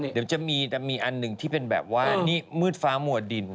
เดี๋ยวจะมีอันหนึ่งที่เป็นแบบว่านี่มืดฟ้ามัวดิน